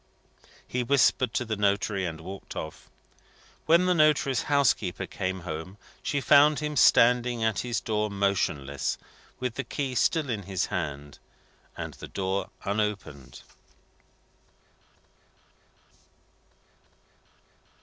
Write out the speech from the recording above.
He whispered to the notary and walked off. When the notary's housekeeper came home, she found him standing at his door motionless, with the key still in his hand, and the door unopened.